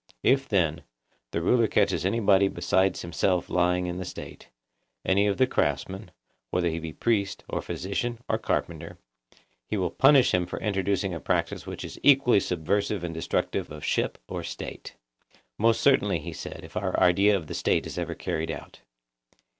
If, then, the ruler catches anybody beside himself lying in the State, 'Any of the craftsmen, whether he be priest or physician or carpenter,' he will punish him for introducing a practice which is equally subversive and destructive of ship or State. Most certainly, he said, if our idea of the State is ever carried out.